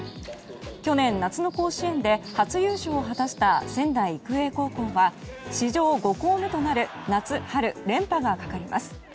去年、夏の甲子園で初優勝を果たした仙台育英高校は史上５校目となる夏春連覇がかかります。